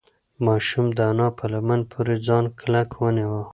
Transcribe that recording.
ماشوم د انا په لمن پورې ځان کلک ونیو.